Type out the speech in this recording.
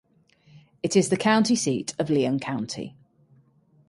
It is the county seat of Leon County.